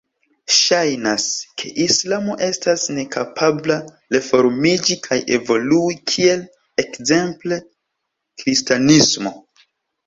Ŝajnas, ke islamo estas nekapabla reformiĝi kaj evolui kiel ekzemple kristanismo.